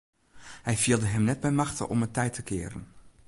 Hy fielde him net by machte om it tij te kearen.